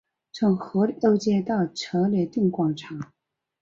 从赫里欧街到策肋定广场。